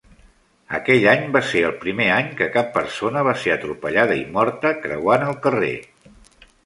Aquell any va ser el primer anys que cap persona va ser atropellada i morta creuant el carrer.